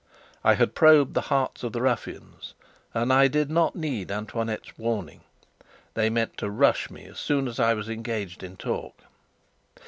I had probed the hearts of the ruffians, and I did not need Antoinette's warning. They meant to "rush" me as soon as I was engaged in talk.